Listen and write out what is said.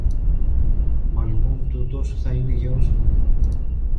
Μα λοιπόν τούτος θα είναι γιος του.